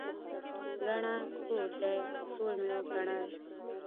ګڼه کور دی، ټول مې وګڼل.